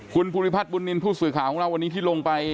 คุณภูริพัฒนบุญนินทร์ผู้สื่อข่าวของเราวันนี้ที่ลงไป